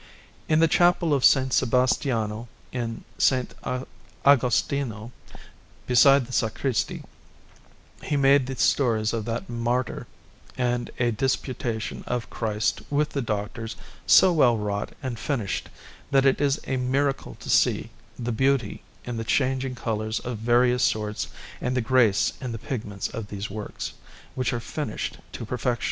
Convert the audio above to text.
In the Chapel of S. Sebastiano in S. Agostino, beside the sacristy, he made the stories of that martyr, and a Disputation of Christ with the Doctors, so well wrought and finished that it is a miracle to see the beauty in the changing colours of various sorts and the grace in the pigments of these works, which are finished to perfection.